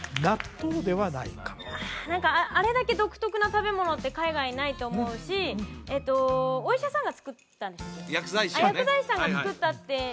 納豆ではないかあれだけ独特な食べ物って海外にないと思うしえっとお医者さんが作ったんでしたっけ？